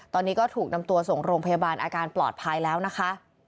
ตอนนี้ก็ถูกนำตัวส่งโรงพยาบาลอาการปลอดภัยแล้วนะคะ